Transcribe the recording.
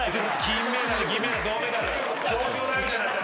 金メダル銀メダル銅メダル。